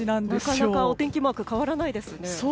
なかなかお天気マークが変わらないですね。